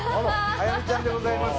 あやみちゃんでございます。